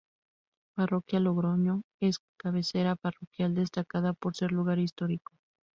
Parroquia Logroño es cabecera parroquial destacada por ser lugar histórico.